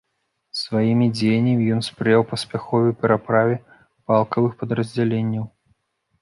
Сваімі дзеяннямі ён спрыяў паспяховай пераправе палкавых падраздзяленняў.